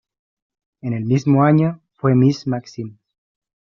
En el mismo año, fue "Miss Maxim".